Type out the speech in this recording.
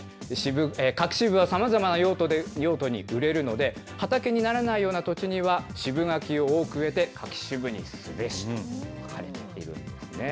柿渋はさまざまな用途に売れるので、畑にならないような土地には渋柿を多く植えて、柿渋にすべしと書かれているんですね。